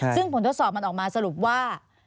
ซึ่งผลทดสอบมันออกมาสรุปว่า